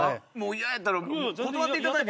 嫌やったら断っていただいて。